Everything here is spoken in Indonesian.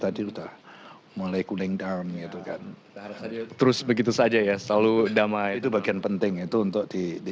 tadi udah mulai cooling down itu kan terus begitu saja ya selalu damai itu bagian penting itu untuk di